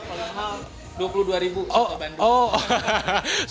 kalau yang mahal rp dua puluh dua soto bandung